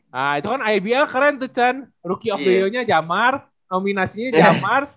nah itu kan ibl keren tuh can rookie of the year nya jamar nominasi nya jamar